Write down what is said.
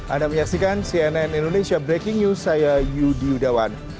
anda menyaksikan cnn indonesia breaking news saya yudi yudawan